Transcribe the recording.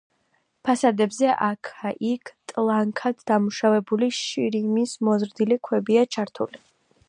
ფასადებზე აქა-იქ ტლანქად დამუშავებული შირიმის მოზრდილი ქვებია ჩართული.